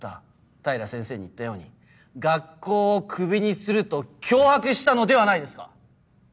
平先生に言ったように学校をクビにすると脅迫したのではないですか？